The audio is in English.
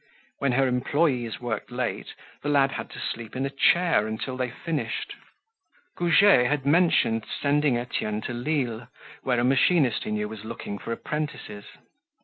When her employees worked late, the lad had to sleep in a chair until they finished. Goujet had mentioned sending Etienne to Lille where a machinist he knew was looking for apprentices.